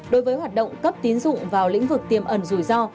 đối với hoạt động cấp tín dụng vào lĩnh vực tiềm ẩn rủi ro